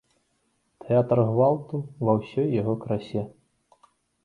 Тэатр гвалту ва ўсёй яго красе.